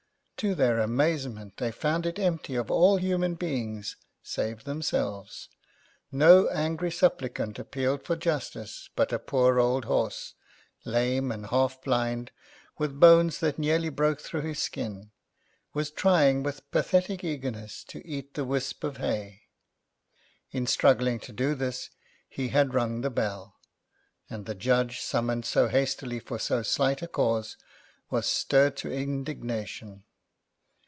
To their amazement they found it empty of all human beings save themselves; no angry supplicant appealed for justice, but a poor old horse, lame and half blind, with bones that nearly broke through his skin, was trying with pathetic eagerness to eat the wisp of hay. In struggling to do this, he had rung the bell, and the judge, summoned so hastily for so slight a cause, was stirred to indignation.